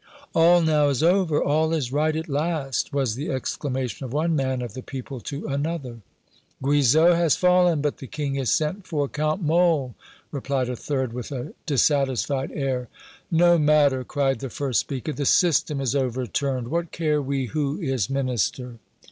"All now is over all is right at last!" was the exclamation of one man of the people to another. "Guizot has fallen, but the King has sent for Count Mole," replied a third, with a dissatisfied air. "No matter," cried the first speaker, "the system is overturned! What care we who is Minister?"